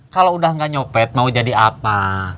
kalau udah gak nyopet mau jadi apa